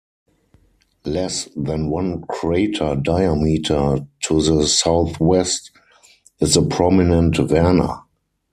Less than one crater diameter to the southwest is the prominent Werner.